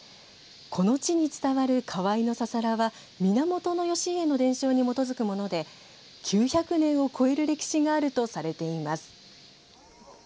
この地に伝わる河井のささらは源義家の伝承に基づくもので９００年を超える歴史があるとされています。